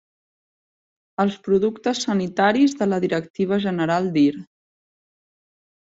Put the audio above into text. Els productes sanitaris de la directiva general dir.